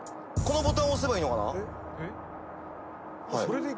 このボタンを押せばいいのかな？